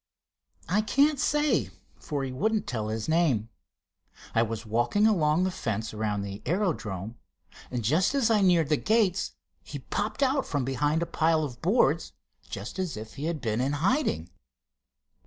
"I can't say, for he wouldn't tell his name. I was walking along the fence around the aerodrome, and just as I neared the gates he popped out from behind a pile of boards, just as if he had been in hiding."